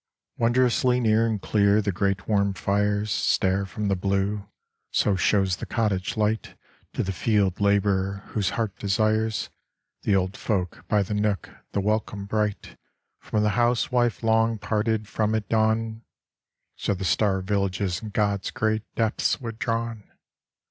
Wondrously near and clear the great warm fires Stare from the blue ; so shows the cottage light To the field labourer whose heart desires The old folk by the nook, the welcome bright From the house wife long parted from at dawn So the star villages in God's great depths withdrawn.